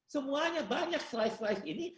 semuanya banyak slice slice ini